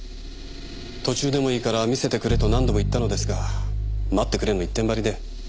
途中でもいいから見せてくれと何度も言ったのですが待ってくれの一点張りで。